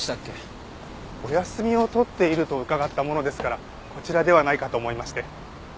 お休みを取っていると伺ったものですからこちらではないかと思いまして。